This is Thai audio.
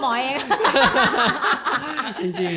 หมอทำตัวหมอเอง